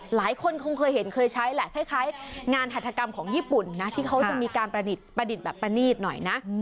หลายคนคงเคยเห็นเคยใช้อะไรคล้ายงานอาจรรยากรรมของญี่ปุ่นนะที่เขาจำมีการประดิษฐ์แบบประณีตหน่อยนะ